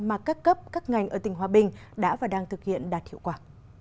mà các cấp các ngành ở tỉnh hòa bình đã và đang thực hiện đạt hiệu quả